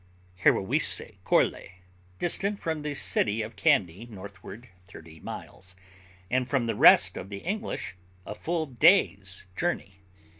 Hewarrisse Korle], distant from the city of Kandy northward thirty miles, and from the rest of the English a full day's journey.